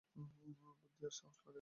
বুদ্ধি আর সাহস লাগে।